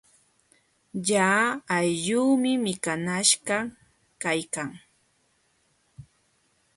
Lla aylluumi mikanaśhqa kaykan.